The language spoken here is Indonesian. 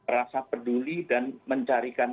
rasa peduli dan mencarikan